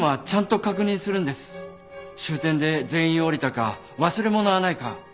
終点で全員降りたか忘れ物はないか。